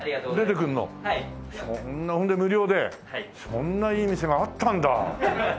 そんないい店があったんだ。